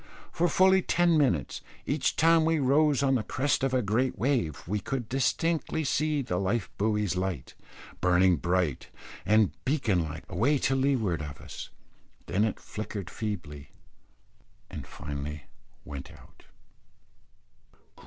For fully ten minutes, each time we rose on the crest of a great wave, we could distinctly see the life buoy's light, burning bright and beacon like, away to leeward of us; then it flickered feebly, and finally went out.